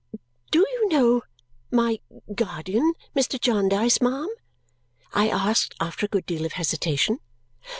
"Do you know my guardian, Mr. Jarndyce, ma'am?" I asked after a good deal of hesitation.